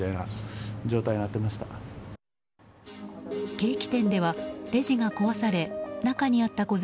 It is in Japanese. ケーキ店ではレジが壊され中にあった小銭